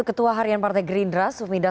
dengan partai partai tentunya